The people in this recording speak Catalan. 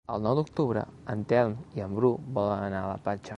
El nou d'octubre en Telm i en Bru volen anar a la platja.